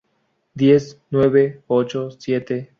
Diez, nueve, ocho, siete...